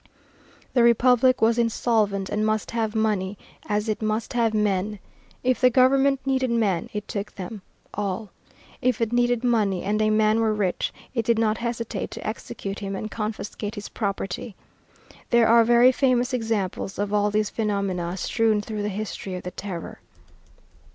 The Republic was insolvent, and must have money, as it must have men. If the government needed men, it took them, all. If it needed money, and a man were rich, it did not hesitate to execute him and confiscate his property. There are very famous examples of all these phenomena strewn through the history of the Terror.